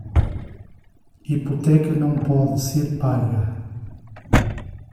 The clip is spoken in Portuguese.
Hipoteca não pode ser paga